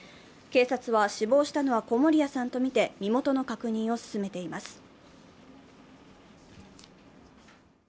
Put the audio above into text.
警察は死亡したのは小森谷さんとみて身元の確認を進めています。